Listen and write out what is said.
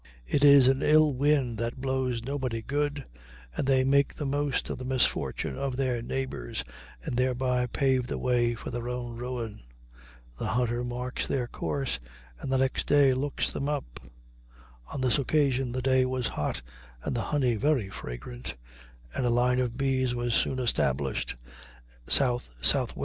It is an ill wind that blows nobody good, and they make the most of the misfortune of their neighbors, and thereby pave the way for their own ruin. The hunter marks their course and the next day looks them up. On this occasion the day was hot and the honey very fragrant, and a line of bees was soon established S. S. W.